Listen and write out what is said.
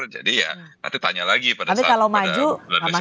jadi ya nanti tanya lagi pada saat pada bulan desember dua ribu dua puluh empat